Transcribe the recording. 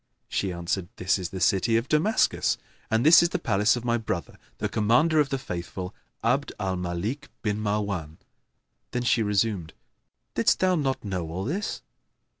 She answered, "This is the city of Damascus, and this is the palace of my brother, the Commander of the Faithful, Abd al Malik bin Marwan.[FN#11]" Then she resumed, "Didst thou not know all this?"